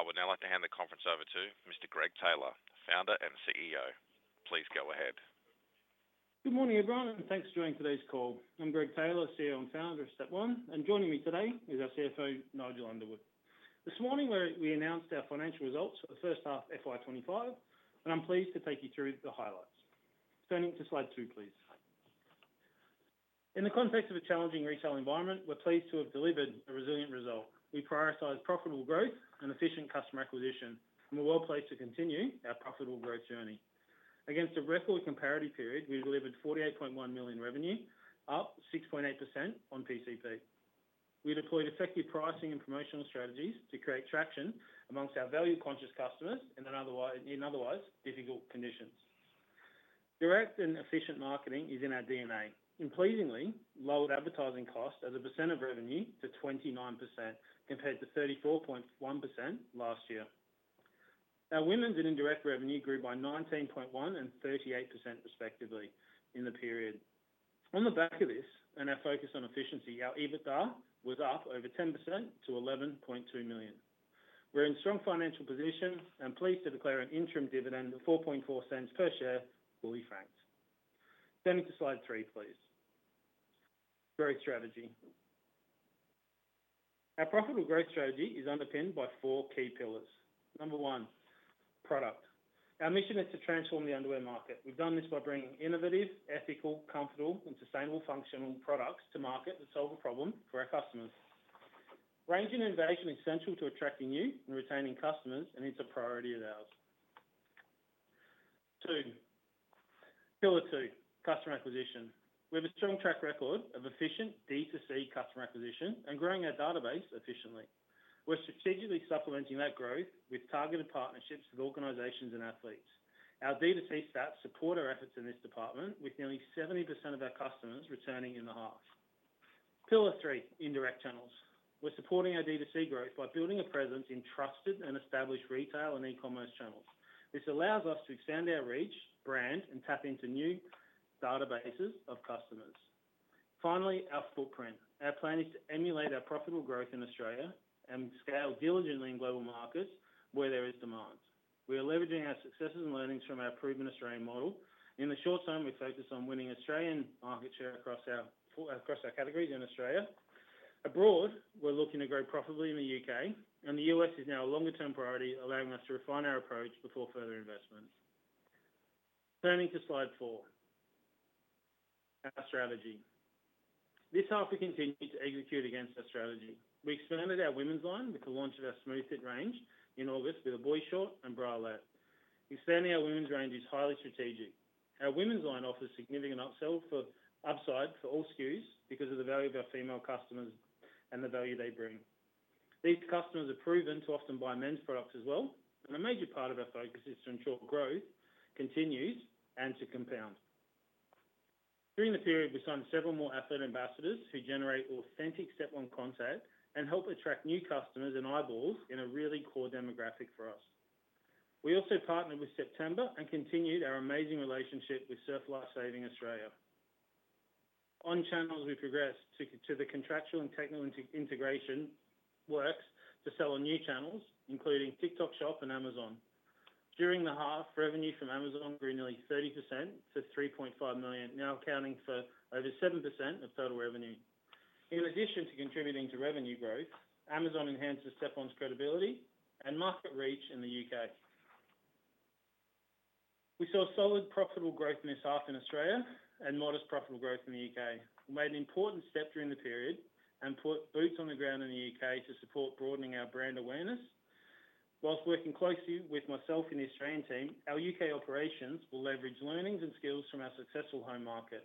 I would now like to hand the conference over to Mr. Greg Taylor, Founder and CEO. Please go ahead. Good morning, everyone, and thanks for joining today's call. I'm Greg Taylor, CEO and Founder of Step One, and joining me today is our CFO, Nigel Underwood. This morning we announced our financial results for the first half of FY2025, and I'm pleased to take you through the highlights. Turning to slide two, please. In the context of a challenging retail environment, we're pleased to have delivered a resilient result. We prioritize profitable growth and efficient customer acquisition, and we're well placed to continue our profitable growth journey. Against a record comparative period, we delivered 48.1 million revenue, up 6.8% on PCP. We deployed effective pricing and promotional strategies to create traction amongst our value-conscious customers in otherwise difficult conditions. Direct and efficient marketing is in our DNA, and pleasingly, lowered advertising costs as a percent of revenue to 29% compared to 34.1% last year. Our women's and indirect revenue grew by 19.1% and 38%, respectively, in the period. On the back of this and our focus on efficiency, our EBITDA was up over 10% to 11.2 million. We're in a strong financial position and pleased to declare an interim dividend of 0.044 per share, fully franked. Turning to slide three, please. Growth strategy. Our profitable growth strategy is underpinned by four key pillars. Number one, product. Our mission is to transform the underwear market. We've done this by bringing innovative, ethical, comfortable, and sustainable functional products to market that solve a problem for our customers. Range and innovation are essential to attracting new and retaining customers, and it's a priority of ours. Two, pillar two, customer acquisition. We have a strong track record of efficient D2C customer acquisition and growing our database efficiently. We're strategically supplementing that growth with targeted partnerships with organizations and athletes. Our D2C stats support our efforts in this department, with nearly 70% of our customers returning in the half. Pillar three, indirect channels. We're supporting our D2C growth by building a presence in trusted and established retail and e-commerce channels. This allows us to expand our reach, brand, and tap into new databases of customers. Finally, our footprint. Our plan is to emulate our profitable growth in Australia and scale diligently in global markets where there is demand. We are leveraging our successes and learnings from our proven Australian model. In the short term, we focus on winning Australian market share across our categories in Australia. Abroad, we're looking to grow profitably in the U.K., and the U.S. is now a longer-term priority, allowing us to refine our approach before further investments. Turning to slide four, our strategy. This half, we continue to execute against our strategy. We expanded our women's line with the launch of our SmoothFit range in August with a boy short and bralette. Expanding our women's range is highly strategic. Our women's line offers significant upside for all SKUs because of the value of our female customers and the value they bring. These customers are proven to often buy men's products as well, and a major part of our focus is to ensure growth continues and to compound. During the period, we signed several more athlete ambassadors who generate authentic Step One content and help attract new customers and eyeballs in a really core demographic for us. We also partnered with September and continued our amazing relationship with Surf Life Saving Australia. On channels, we progressed to the contractual and technical integration works to sell on new channels, including TikTok Shop and Amazon. During the half, revenue from Amazon grew nearly 30% to 3.5 million, now accounting for over 7% of total revenue. In addition to contributing to revenue growth, Amazon enhances Step One's credibility and market reach in the U.K. We saw solid profitable growth in this half in Australia and modest profitable growth in the U.K. We made an important step during the period and put boots on the ground in the U.K. to support broadening our brand awareness. Whilst working closely with myself and the Australian team, our U.K. operations will leverage learnings and skills from our successful home market.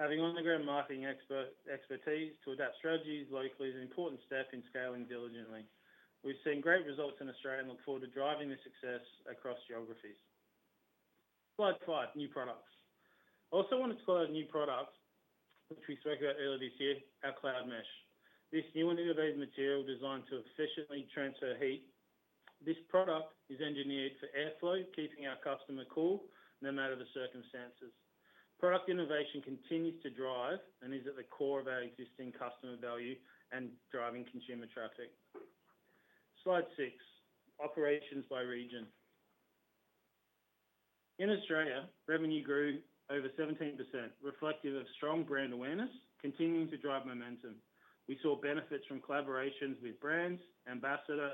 Having on-the-ground marketing expertise to adapt strategies locally is an important step in scaling diligently. We've seen great results in Australia and look forward to driving this success across geographies. Slide five, new products. I also want to talk about a new product which we spoke about earlier this year, our CloudMesh. This new and innovative material is designed to efficiently transfer heat. This product is engineered for airflow, keeping our customer cool no matter the circumstances. Product innovation continues to drive and is at the core of our existing customer value and driving consumer traffic. Slide six, operations by region. In Australia, revenue grew over 17%, reflective of strong brand awareness continuing to drive momentum. We saw benefits from collaborations with brands, ambassadors,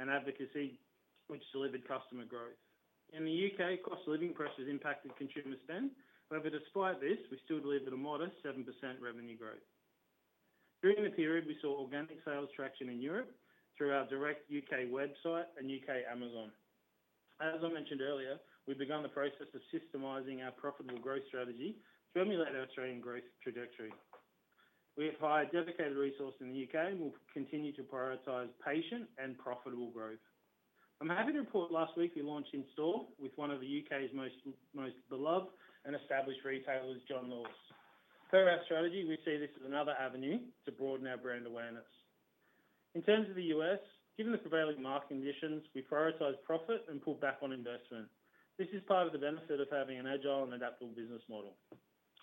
and advocacy, which delivered customer growth. In the U.K., cost of living pressures impacted consumer spend. However, despite this, we still delivered a modest 7% revenue growth. During the period, we saw organic sales traction in Europe through our direct U.K. website and U.K. Amazon. As I mentioned earlier, we've begun the process of systemizing our profitable growth strategy to emulate our Australian growth trajectory. We have hired dedicated resources in the U.K. and will continue to prioritize patient and profitable growth. I'm happy to report last week we launched in store with one of the U.K.'s most beloved and established retailers, John Lewis. Per our strategy, we see this as another avenue to broaden our brand awareness. In terms of the U.S., given the prevailing market conditions, we prioritize profit and pull back on investment. This is part of the benefit of having an agile and adaptable business model.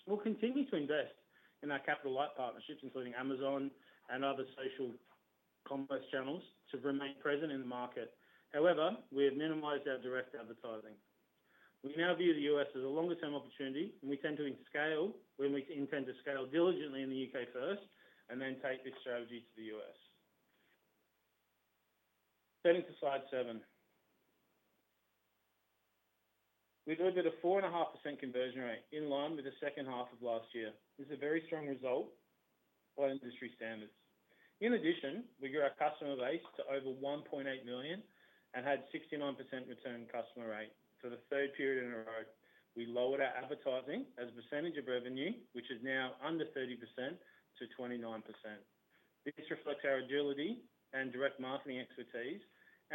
We'll continue to invest in our capital-light partnerships, including Amazon and other social commerce channels, to remain present in the market. However, we have minimized our direct advertising. We now view the U.S. as a longer-term opportunity, and we tend to intend to scale diligently in the U.K. first and then take this strategy to the U.S. Turning to slide seven, we delivered a 4.5% conversion rate in line with the second half of last year. This is a very strong result by industry standards. In addition, we grew our customer base to over 1.8 million and had a 69% return customer rate for the third period in a row. We lowered our advertising as a percentage of revenue, which is now under 30%, to 29%. This reflects our agility and direct marketing expertise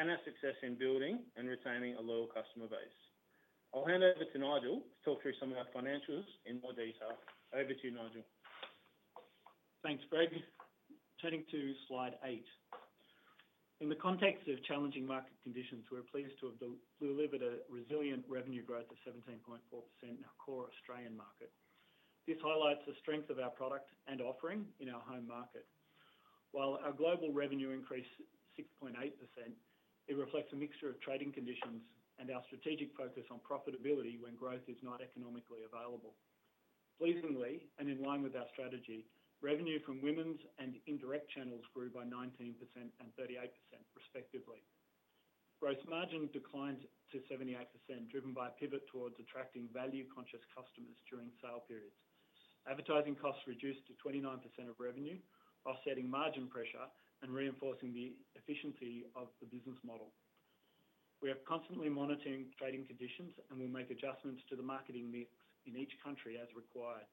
and our success in building and retaining a loyal customer base. I'll hand over to Nigel to talk through some of our financials in more detail. Over to you, Nigel. Thanks, Greg. Turning to slide eight. In the context of challenging market conditions, we're pleased to have delivered a resilient revenue growth of 17.4% in our core Australian market. This highlights the strength of our product and offering in our home market. While our global revenue increased 6.8%, it reflects a mixture of trading conditions and our strategic focus on profitability when growth is not economically available. Pleasingly, and in line with our strategy, revenue from women's and indirect channels grew by 19% and 38%, respectively. Gross margin declined to 78%, driven by a pivot towards attracting value-conscious customers during sale periods. Advertising costs reduced to 29% of revenue, offsetting margin pressure and reinforcing the efficiency of the business model. We are constantly monitoring trading conditions and will make adjustments to the marketing mix in each country as required.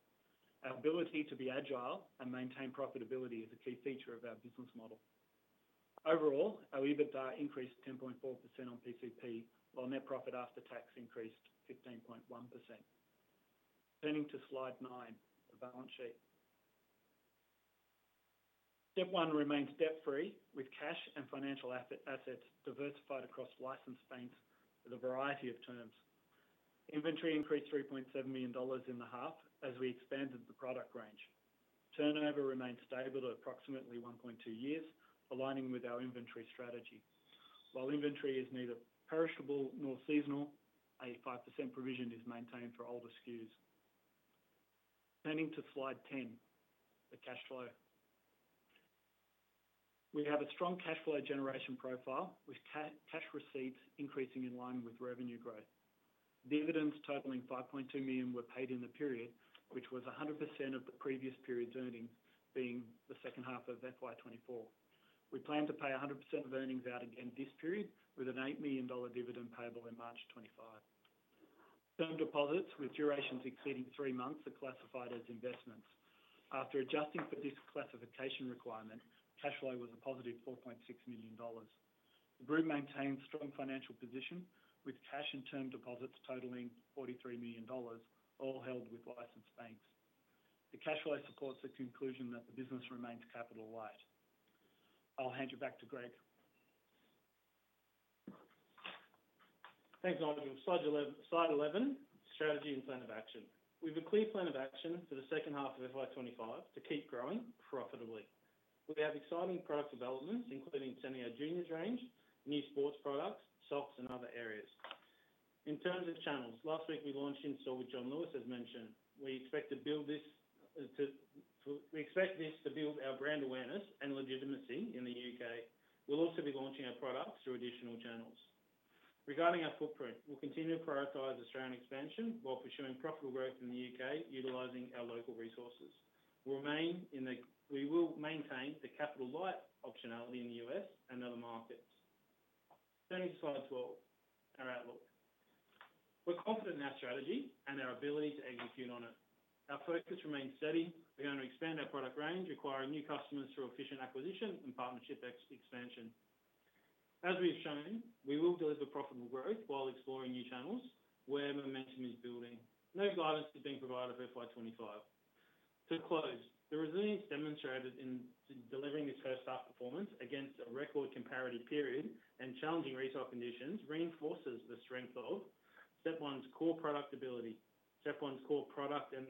Our ability to be agile and maintain profitability is a key feature of our business model. Overall, our EBITDA increased 10.4% on PCP, while net profit after tax increased 15.1%. Turning to slide nine, the balance sheet. Step One remains debt-free, with cash and financial assets diversified across licensed banks with a variety of terms. Inventory increased 3.7 million dollars in the half as we expanded the product range. Turnover remained stable at approximately 1.2 years, aligning with our inventory strategy. While inventory is neither perishable nor seasonal, a 5% provision is maintained for older SKUs. Turning to slide ten, the cash flow. We have a strong cash flow generation profile, with cash receipts increasing in line with revenue growth. Dividends totaling 5.2 million were paid in the period, which was 100% of the previous period's earnings, being the second half of FY2024. We plan to pay 100% of earnings out again this period, with an 8 million dollar dividend payable in March 2025. Term deposits with durations exceeding three months are classified as investments. After adjusting for this classification requirement, cash flow was a positive 4.6 million dollars. The group maintains a strong financial position, with cash and term deposits totaling 43 million dollars, all held with licensed banks. The cash flow supports the conclusion that the business remains capital-light. I'll hand you back to Greg. Thanks, Nigel. Slide 11, strategy and plan of action. We have a clear plan of action for the second half of FY2025 to keep growing profitably. We have exciting product developments, including sending our Junior's range, new sports products, socks, and other areas. In terms of channels, last week we launched in store with John Lewis, as mentioned. We expect to build this to build our brand awareness and legitimacy in the U.K. We'll also be launching our products through additional channels. Regarding our footprint, we'll continue to prioritize Australian expansion while pursuing profitable growth in the U.K., utilizing our local resources. We will maintain the capital-light optionality in the U.S. and other markets. Turning to slide 12, our outlook. We're confident in our strategy and our ability to execute on it. Our focus remains steady. We're going to expand our product range, requiring new customers through efficient acquisition and partnership expansion. As we've shown, we will deliver profitable growth while exploring new channels where momentum is building. No guidance is being provided for FY2025. To close, the resilience demonstrated in delivering this first-half performance against a record comparative period and challenging retail conditions reinforces the strength of Step One's core product ability, Step One's core product and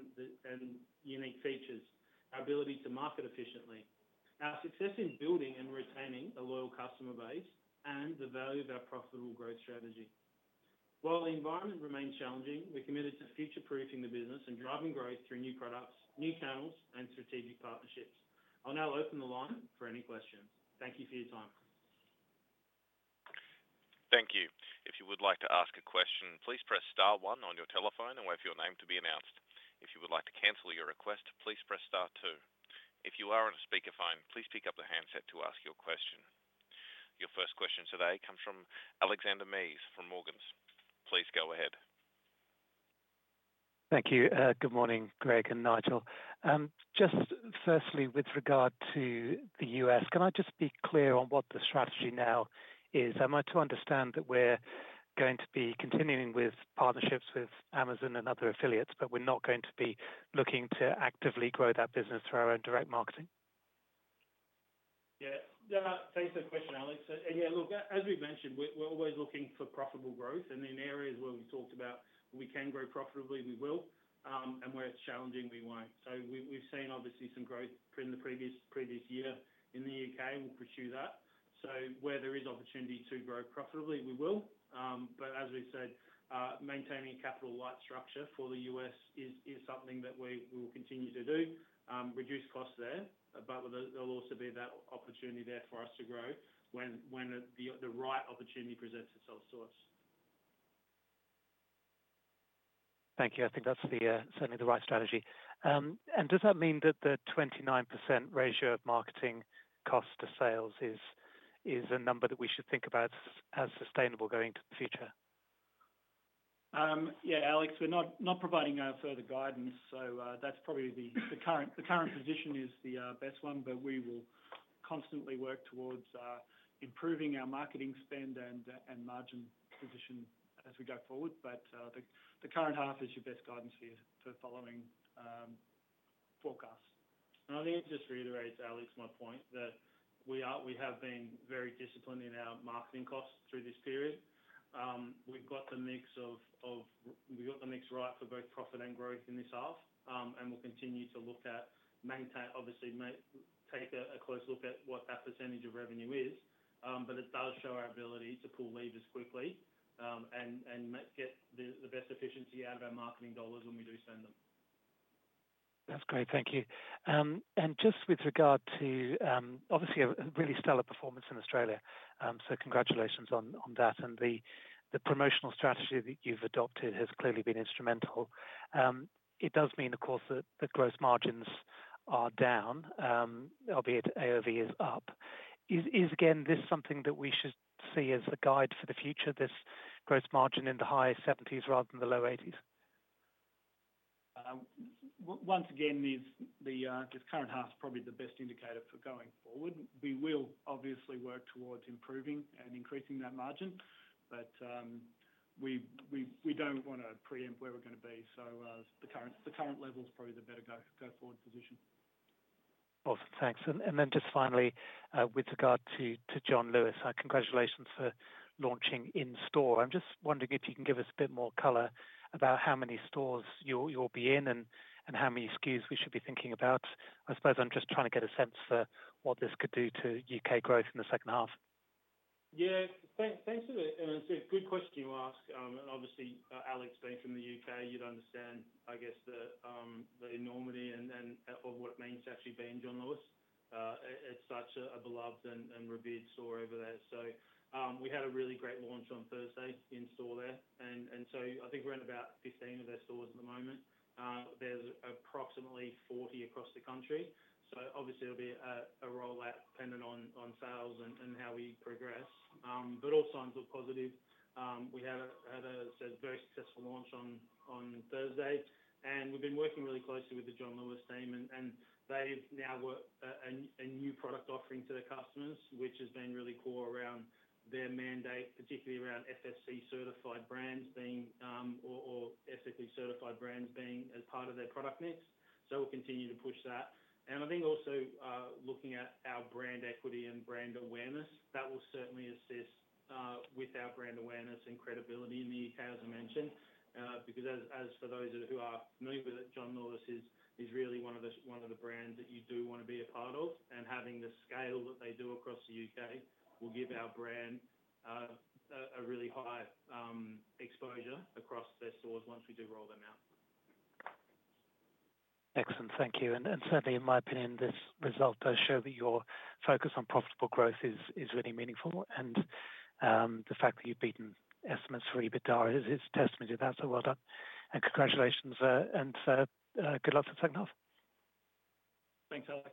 unique features, our ability to market efficiently, our success in building and retaining a loyal customer base, and the value of our profitable growth strategy. While the environment remains challenging, we're committed to future-proofing the business and driving growth through new products, new channels, and strategic partnerships. I'll now open the line for any questions. Thank you for your time. Thank you. If you would like to ask a question, please press star one on your telephone and wait for your name to be announced. If you would like to cancel your request, please press star two. If you are on a speakerphone, please pick up the handset to ask your question. Your first question today comes from Alexander Ma from Morgan Stanley. Please go ahead. Thank you. Good morning, Greg and Nigel. Just firstly, with regard to the U.S., can I just be clear on what the strategy now is? Am I to understand that we're going to be continuing with partnerships with Amazon and other affiliates, but we're not going to be looking to actively grow that business through our own direct marketing? Yeah. Thanks for the question, Alex. Yeah, look, as we've mentioned, we're always looking for profitable growth. In areas where we've talked about we can grow profitably, we will. Where it's challenging, we won't. We've seen, obviously, some growth in the previous year in the U.K. We'll pursue that. Where there is opportunity to grow profitably, we will. As we said, maintaining a capital-light structure for the U.S. is something that we will continue to do, reduce costs there, but there'll also be that opportunity there for us to grow when the right opportunity presents itself to us. Thank you. I think that's certainly the right strategy. Does that mean that the 29% ratio of marketing cost to sales is a number that we should think about as sustainable going into the future? Yeah, Alex, we're not providing further guidance. That's probably the current position is the best one, but we will constantly work towards improving our marketing spend and margin position as we go forward. The current half is your best guidance for following forecasts. I'll just reiterate, Alex, my point, that we have been very disciplined in our marketing costs through this period. We've got the mix right for both profit and growth in this half. We will continue to look at, obviously, take a close look at what that percentage of revenue is. It does show our ability to pull levers quickly and get the best efficiency out of our marketing dollars when we do spend them. That's great. Thank you. Just with regard to, obviously, a really stellar performance in Australia, so congratulations on that. The promotional strategy that you've adopted has clearly been instrumental. It does mean, of course, that the gross margins are down, albeit AOV is up. Is this something that we should see as a guide for the future, this gross margin in the high 70s rather than the low 80s? Once again, this current half is probably the best indicator for going forward. We will obviously work towards improving and increasing that margin, but we do not want to preempt where we are going to be. The current level is probably the better go forward position. Awesome. Thanks. Finally, with regard to John Lewis, congratulations for launching in store. I'm just wondering if you can give us a bit more color about how many stores you'll be in and how many SKUs we should be thinking about. I suppose I'm just trying to get a sense for what this could do to U.K. growth in the second half. Yeah. Thanks for the good question you asked. Obviously, Alex, being from the U.K., you'd understand, I guess, the enormity of what it means to actually be in John Lewis. It's such a beloved and revered store over there. We had a really great launch on Thursday in store there. I think we're in about 15 of their stores at the moment. There are approximately 40 across the country. It will be a rollout dependent on sales and how we progress. All signs are positive. We had a very successful launch on Thursday. We've been working really closely with the John Lewis team. They've now got a new product offering to their customers, which has been really core around their mandate, particularly around FSC-certified brands or FSC-certified brands being as part of their product mix. We'll continue to push that. I think also looking at our brand equity and brand awareness, that will certainly assist with our brand awareness and credibility in the U.K., as I mentioned. Because as for those who are familiar with it, John Lewis is really one of the brands that you do want to be a part of. Having the scale that they do across the U.K. will give our brand a really high exposure across their stores once we do roll them out. Excellent. Thank you. Certainly, in my opinion, this result does show that your focus on profitable growth is really meaningful. The fact that you've beaten estimates for EBITDA is testament to that. Well done. Congratulations, and good luck for the second half. Thanks, Alex.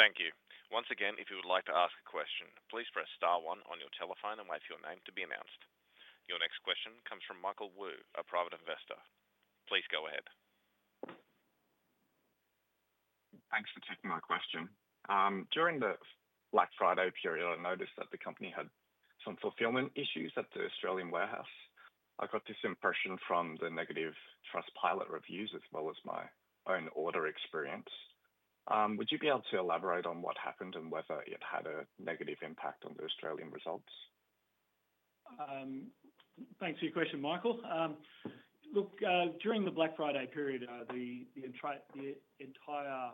Thank you. Once again, if you would like to ask a question, please press star one on your telephone and wave your name to be announced. Your next question comes from Michael Wu, a private investor. Please go ahead. Thanks for taking my question. During the Black Friday period, I noticed that the company had some fulfillment issues at the Australian warehouse. I got this impression from the negative Trustpilot reviews as well as my own order experience. Would you be able to elaborate on what happened and whether it had a negative impact on the Australian results? Thanks for your question, Michael. Look, during the Black Friday period, the entire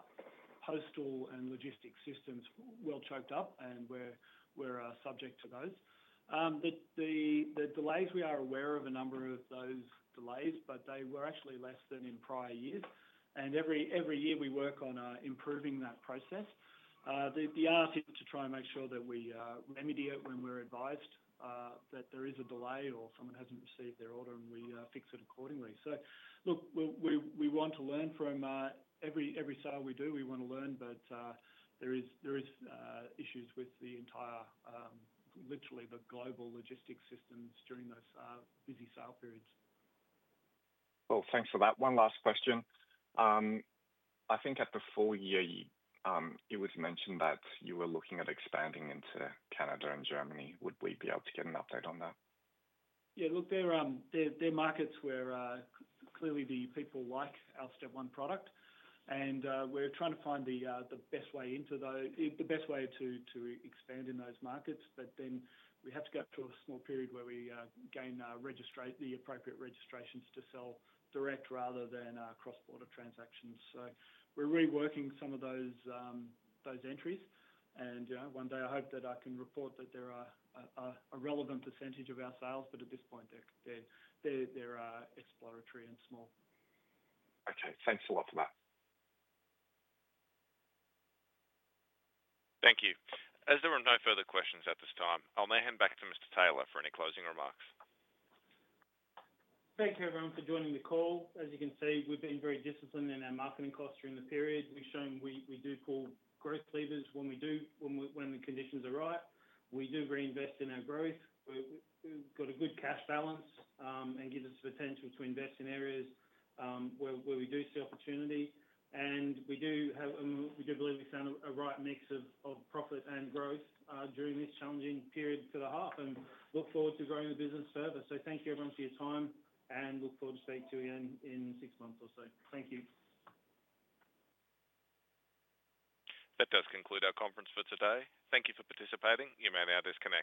postal and logistics systems were well choked up, and we're subject to those. The delays, we are aware of a number of those delays, but they were actually less than in prior years. Every year, we work on improving that process. The ask is to try and make sure that we remedy it when we're advised that there is a delay or someone hasn't received their order, and we fix it accordingly. Look, we want to learn from every sale we do. We want to learn, but there are issues with the entire, literally, the global logistics systems during those busy sale periods. Thanks for that. One last question. I think at the full year, it was mentioned that you were looking at expanding into Canada and Germany. Would we be able to get an update on that? Yeah. Look, their markets were clearly the people like our Step One product. We're trying to find the best way into those, the best way to expand in those markets. We have to go through a small period where we gain the appropriate registrations to sell direct rather than cross-border transactions. We're reworking some of those entries. One day, I hope that I can report that there are a relevant percentage of our sales, but at this point, they're exploratory and small. Okay. Thanks a lot for that. Thank you. As there are no further questions at this time, I'll now hand back to Mr. Taylor for any closing remarks. Thank you, everyone, for joining the call. As you can see, we've been very disciplined in our marketing costs during the period. We've shown we do pull growth levers when the conditions are right. We do reinvest in our growth. We've got a good cash balance and it gives us the potential to invest in areas where we do see opportunity. We do believe we found a right mix of profit and growth during this challenging period for the half and look forward to growing the business further. Thank you, everyone, for your time, and look forward to speaking to you again in six months or so. Thank you. That does conclude our conference for today. Thank you for participating. You may now disconnect.